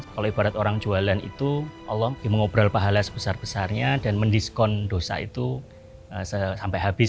kalau ibarat orang jualan itu allah mengobrol pahala sebesar besarnya dan mendiskon dosa itu sampai habis